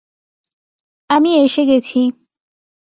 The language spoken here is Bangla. আমি এসে গেছি।